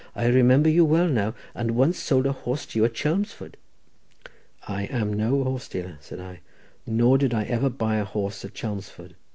I remember you well now, and once sold a horse to you at Chelmsford." "I am no horse dealer," said I, "nor did I ever buy a horse at Chelmsford.